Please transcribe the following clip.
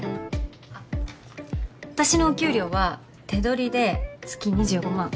あっあたしのお給料は手取りで月２５万。